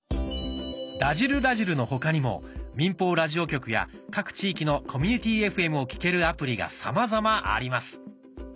「らじる★らじる」の他にも民放ラジオ局や各地域のコミュニティＦＭを聴けるアプリがさまざまあります。